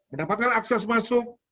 mendapatkan akses masuk